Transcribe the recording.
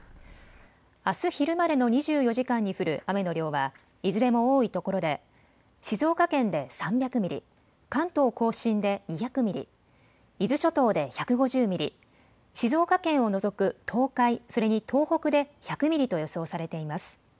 あす昼までの２４時間に降る雨の量はいずれも多いところで静岡県で３００ミリ、関東甲信で２００ミリ、伊豆諸島で１５０ミリ、静岡県を除く東海、それに東北で１００ミリと予想されています。